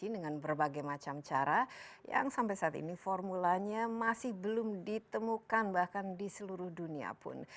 dengan berbagai macam cara yang sampai saat ini formulanya masih belum ditemukan bahkan di seluruh dunia pun